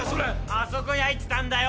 あそこに入ってたんだよ。